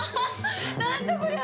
何じゃこりゃ！